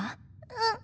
うん。